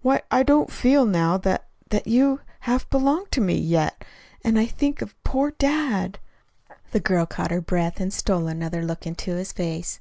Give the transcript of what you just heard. "Why, I don't feel now that that you half belong to me, yet. And and think of poor dad!" The girl caught her breath and stole another look into his face.